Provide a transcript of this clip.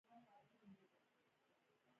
دا شرکتونه ډیر کارګران لري.